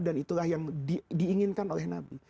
dan itulah yang diinginkan oleh nabi